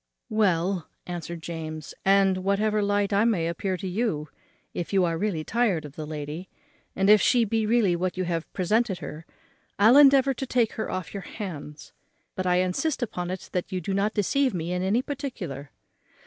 "Well," answered James, "and, whatever light I may appear to you in, if you are really tired of the lady, and if she be really what you have represented her, I'll endeavour to take her off your hands; but I insist upon it that you do not deceive me in any particular."